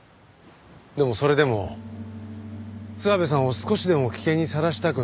でもそれでも諏訪部さんを少しでも危険にさらしたくない。